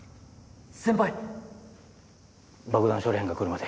先輩！